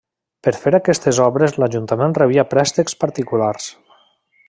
Per fer aquestes obres l'ajuntament rebia préstecs particulars.